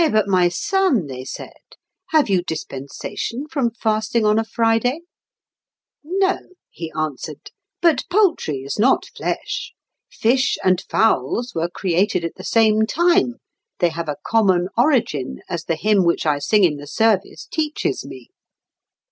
"Eh, but, my son," they said, "have you dispensation from fasting on a Friday?" "No," he answered; "but poultry is not flesh; fish and fowls were created at the same time; they have a common origin, as the hymn which I sing in the service teaches me."